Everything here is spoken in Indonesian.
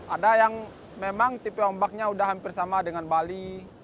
ada yang memang tipe ombaknya sudah hampir sama dengan bali